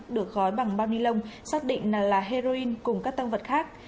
được gói bằng bao ni lông xác định là heroin cùng các tăng vật khác